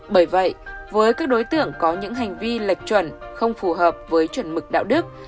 bởi vậy với các đối tượng có những hành vi lệch chuẩn không phù hợp với chuẩn mực đạo đức